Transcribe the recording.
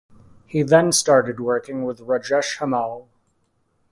He then started working with Rajesh Hamal.